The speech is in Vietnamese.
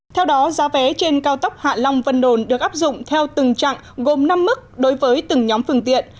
theo đó giá vé trên cao tốc hạ long vân đồn được áp dụng theo từng trạng gồm năm mức đối với từng nhóm phương tiện